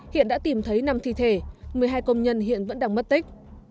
hiện đã tìm thấy năm thi thể một mươi hai công nhân hiện vẫn đang mất tích